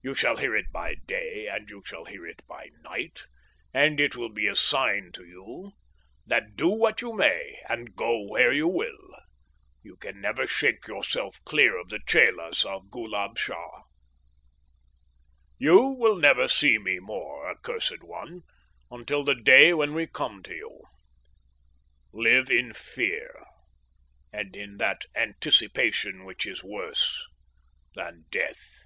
You shall hear it by day and you shall hear it by night, and it will be a sign to you that do what you may and go where you will, you can never shake yourself clear of the chelas of Ghoolab Shah. "You will never see me more, accursed one, until the day when we come for you. Live in fear, and in that anticipation which is worse than death."